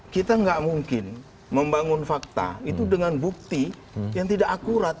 kita nggak mungkin membangun fakta itu dengan bukti yang tidak akurat